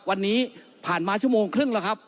วันนี้ผ่านมาชั่วโมงครึ่งแล้วครับ